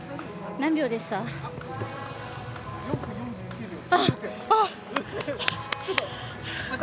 何秒でした？